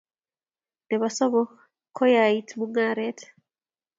nebo somok, koyait mungaret